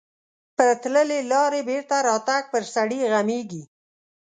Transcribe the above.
پر تللې لارې بېرته راتګ پر سړي غمیږي.